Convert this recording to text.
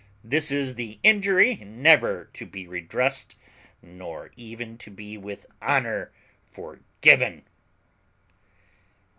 This is the injury never to be redressed, nor even to be with honour forgiven."